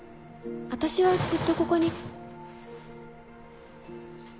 あたしはずっとここに。